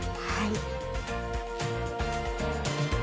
はい。